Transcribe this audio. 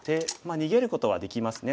逃げることはできますね。